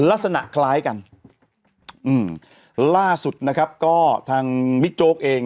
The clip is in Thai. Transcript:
ลักษณะคล้ายกันอืมล่าสุดนะครับก็ทางบิ๊กโจ๊กเอง